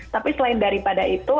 tapi selain daripada itu